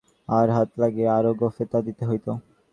আরো হাত থাকিলে আরো গোঁফে তা দিতে হইত।